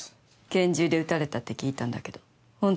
拳銃で撃たれたって聞いたんだけど本当なの？